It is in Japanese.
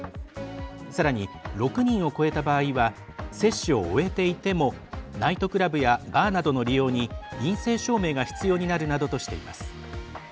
さらに、６人を超えた場合は接種を終えていてもナイトクラブやバーなどの利用に陰性証明が必要になるなどとしています。